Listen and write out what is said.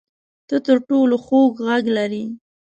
ته تر ټولو خوږ غږ لرې